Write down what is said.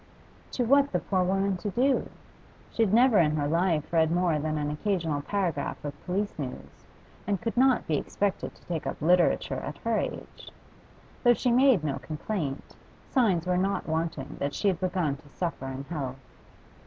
To was the poor woman to do? She had never in her life read more than an occasional paragraph of police news, and could not be expected to take up literature at her age. Though she made no complaint, signs were not wanting that she had begun to suffer in health.